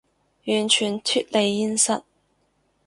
完全脫離現實